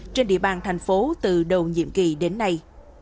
trên địa bàn thành phố từ đầu nhiệm kỳ đến nay